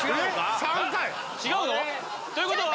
違うの？ということは？